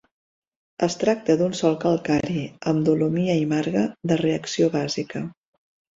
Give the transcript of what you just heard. Es tracta d'un sòl calcari amb dolomia i marga de reacció bàsica.